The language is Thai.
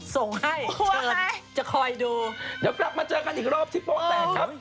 ส่งให้เชิญจะคอยดูเดี๋ยวกลับมาเจอกันอีกรอบที่โป๊ะแตกครับ